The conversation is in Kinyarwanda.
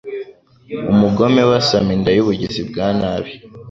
Umugome we asama inda y’ubugizi bwa nabi